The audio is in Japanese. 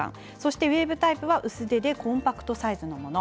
ウエーブタイプは薄手でコンパクトサイズのもの